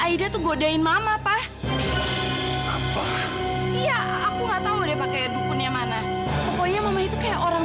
aida tuh godain mama pak iya aku nggak tahu deh pakai dukunnya mana pokoknya mama itu kayak orang